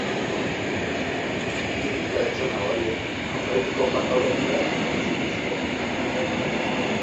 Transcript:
Hiru pertsona horiek aurretiko patologiak zituzten.